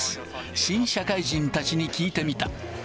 新社会人たちに聞いてみた。